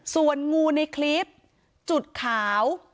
ส่วนงูในคลิปจุดขาว